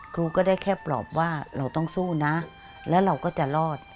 ครูก็ได้แค่ปลอบว่าเราต้องสู้นะแล้วเราก็จะรอด